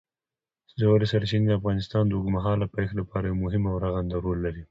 ژورې سرچینې د افغانستان د اوږدمهاله پایښت لپاره یو مهم او رغنده رول لري.